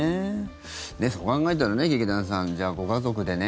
そう考えたらね、劇団さんご家族でね